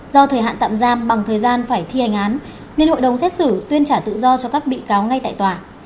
do thời hạn tạm giam bằng thời gian phải thi hành án nên hội đồng xét xử tuyên trả tự do cho các bị cáo ngay tại tòa